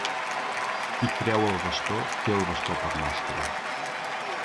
Qui creu el bastó, té el bastó per mestre.